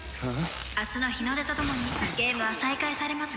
「明日の日の出とともにゲームは再開されます」